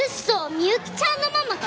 みゆきちゃんのママが？